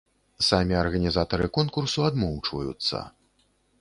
Самі арганізатары конкурсу адмоўчваюцца.